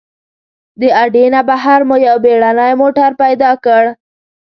د اډې نه بهر مو یو بېړنی موټر پیدا کړ.